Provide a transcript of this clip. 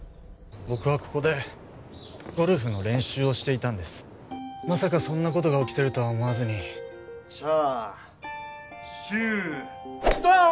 僕はここでゴルフの練習をしていたんですまさかそんなことが起きてるとは思わずにチャーシュードン！